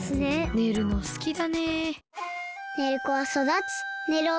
寝るのすきだね。